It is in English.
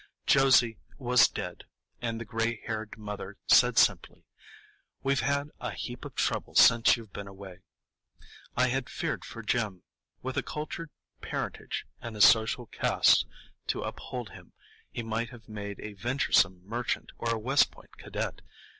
Josie was dead, and the gray haired mother said simply, "We've had a heap of trouble since you've been away." I had feared for Jim. With a cultured parentage and a social caste to uphold him, he might have made a venturesome merchant or a West Point cadet.